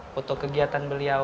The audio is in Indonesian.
foto kegiatan beliau